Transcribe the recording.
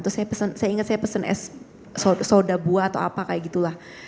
saya ingat saya pesen es soda buah atau apa kayak gitu lah